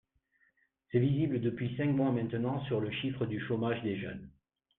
C’est visible depuis cinq mois maintenant sur le chiffre du chômage des jeunes.